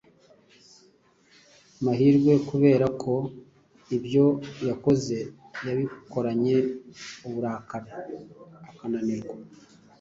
mahirwe kubera ko ibyo yakoze yabikoranye uburakari akananirwa.